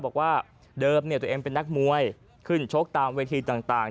บอกว่าเดิมตัวเองเป็นนักมวยขึ้นชกตามเวทีต่าง